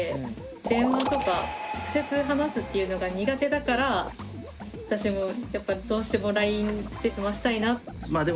電話とか直接話すっていうのが苦手だから私もやっぱどうしてもＬＩＮＥで済ませたいな。